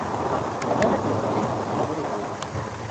Яна інвалід другой групы.